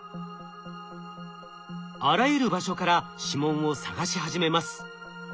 あらゆる場所から指紋を探し始めます。